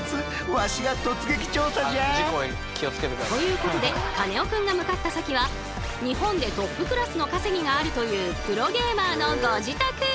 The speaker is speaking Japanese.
わしが突撃調査じゃ！ということでカネオくんが向かった先は日本でトップクラスの稼ぎがあるというプロゲーマーのご自宅！